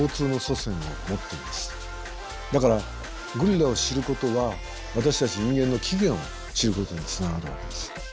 だからゴリラを知ることは私たち人間の起源を知ることにつながるわけです。